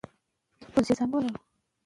د پښتو ژبې شاعري زموږ د ژوند کیسه ده.